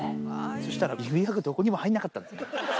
そしたら、指輪がどこにも入んなかったんです。